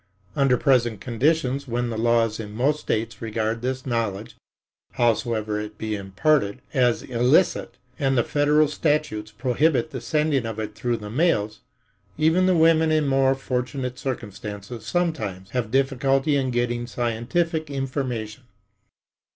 Under present conditions, when the laws in most states regard this knowledge, howsoever it be imparted, as illicit, and the federal statutes prohibit the sending of it through the mails, even the women in more fortunate circumstances sometimes have difficulty in getting scientific information.